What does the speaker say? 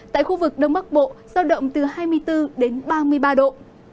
tại khu vực đông bắc bộ giao động từ hai mươi bốn đến ba mươi ba độ